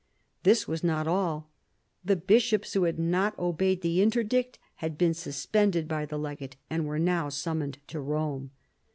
This was not all. The bishops who had not obeyed the interdict had been suspended by the legate, and were now summoned to Eome.